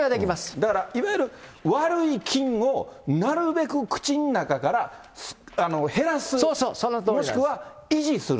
だからいわゆる悪い菌をなるべく口の中から減らす、もしくは維持する。